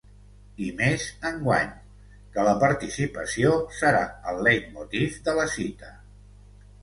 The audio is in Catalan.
I més enguany, que la ‘participació’ serà el leitmotiv de la cita.